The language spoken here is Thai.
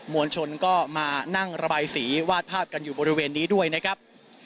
วลชนก็มานั่งระบายสีวาดภาพกันอยู่บริเวณนี้ด้วยนะครับ